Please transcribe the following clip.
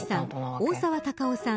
大沢たかおさん